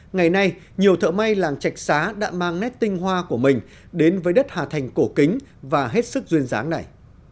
ngày nay nhiều thợ may làng trạch xá đã mang nét tinh hoa của mình đến với đất hà thành cổ kính và hết sức duyên dáng này